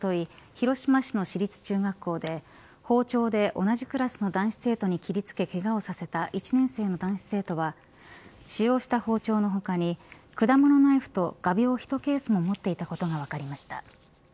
広島市の市立中学校で包丁で同じクラスの男子生徒に切り付けけがをさせた１年生の男子生徒は使用した包丁の他に果物ナイフと画びょう１ケースも持っていたことが分かりました。